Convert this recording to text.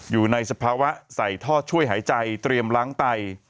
สภาวะใส่ท่อช่วยหายใจเตรียมล้างไต